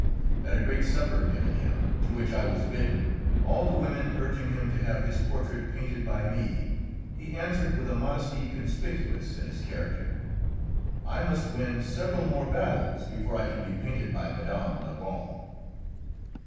At a great supper given him, to which I was bidden, all the women urging him to have his portrait painted by me, he answered with a modesty conspicuous in his character, "I must win several more battles before I can be painted by Mme. Lebrun."